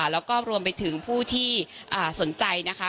แล้วก็รวมไปถึงผู้ที่สนใจนะคะ